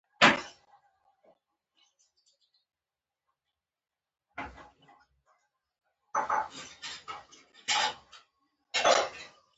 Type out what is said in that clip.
د داسې بې ضابطې مدرسو تاسیس ګټې کار و بار دی.